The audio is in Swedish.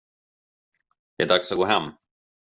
Det är dags att gå hem.